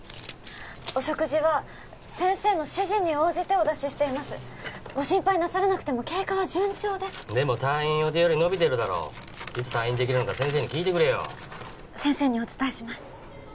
お食事は先生の指示に応じてお出ししていますご心配なさらなくても経過は順調ですでも退院予定より延びてるだろいつ退院できるのか先生に聞いてくれよ先生にお伝えします